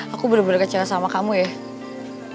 aku bener bener kecewa sama kamu ya